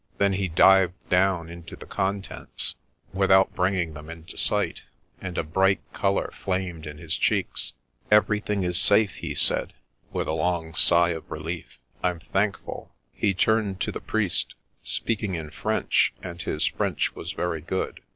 Then he dived down into the contents, without bringing them into sight, and a bright colour flamed in his cheeks. " Everjrthing is safe, he said, with a long sigh of relief. " I'm thankful. He turned to the priest, speaking in French — and 99 A Man from the Dark 197 his French was very good.